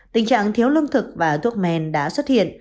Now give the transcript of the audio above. tình trạng thiếu lương thực và thuốc men đã xuất hiện